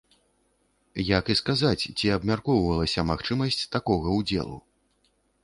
Як і сказаць, ці абмяркоўвалася магчымасць такога ўдзелу.